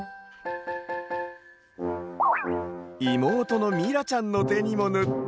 いもうとのみらちゃんのてにもぬって。